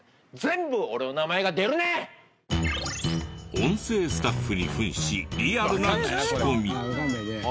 音声スタッフに扮しリアルな聞き込み。